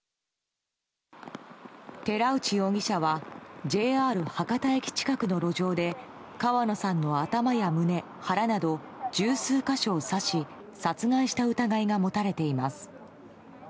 寺内容疑者はＪＲ博多駅近くの路上で川野さんの頭や胸、腹など十数か所を刺し殺害した疑いが持たれています。